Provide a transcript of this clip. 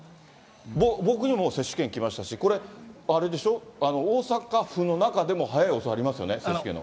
僕にも接種券来ましたし、これ、あれでしょ、大阪府の中でも早い、遅いありますよね、接種券の。